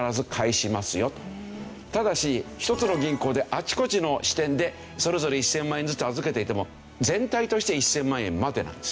ただし１つの銀行であちこちの支店でそれぞれ１０００万円ずつ預けていても全体として１０００万円までなんですよ。